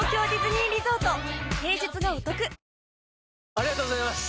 ありがとうございます！